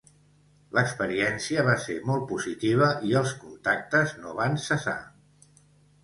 L’experiència va ser molt positiva i els contactes no van cessar.